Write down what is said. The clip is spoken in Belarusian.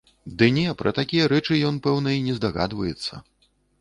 Ды не, пра такія рэчы ён, пэўна, і не здагадваецца.